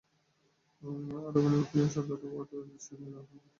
আরও অভিনয় করছেন শতাব্দী ওয়াদুদ, অরুণা বিশ্বাস, নীলা আহমেদ, ডিজে সোহেল প্রমুখ।